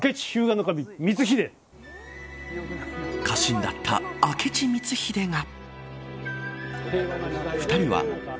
家臣だった明智光秀が。